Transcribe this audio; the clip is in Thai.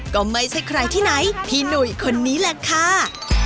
ก็ไม่ใช่ใครที่ไหนพี่หนุ่ยคนนี้แหละค่ะ